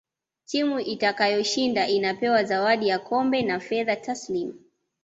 timu itakayoshinda inapewa zawadi ya kombe na fedha tasilimu